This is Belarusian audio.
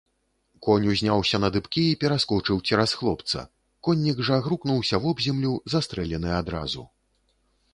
Конь узняўся на дыбкі і пераскочыў цераз хлопца, коннік жа грукнуўся вобземлю, застрэлены адразу.